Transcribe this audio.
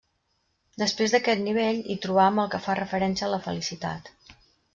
Després d'aquest nivell hi trobam el que fa referència a la felicitat.